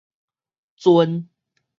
鱒